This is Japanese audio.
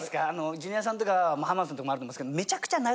ジュニアさんとか浜田さんとかもあると思うんですけど。